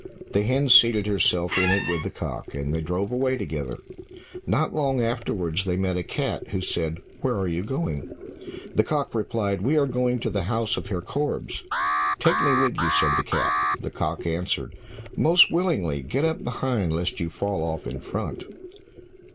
The hen seated herself in it with the cock, and they drove away together. Not long afterwards they met a cat who said, "Where are you going?" The cock replied, "We are going to the house of Herr Korbes." "Take me with you," said the cat. The cock answered, "Most willingly, get up behind, lest you fall off in front.